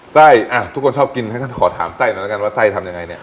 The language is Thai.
ไส้ทุกคนชอบกินขอถามไส้หน่อยแล้วกันว่าไส้ทำยังไง